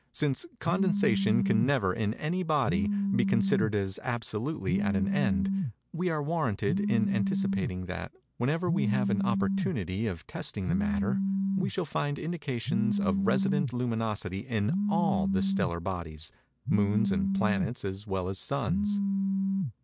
Since condensation can never, in any body, be considered as absolutely at an end, we are warranted in anticipating that, whenever we have an opportunity of testing the matter, we shall find indications of resident luminosity in all the stellar bodies—moons and planets as well as suns.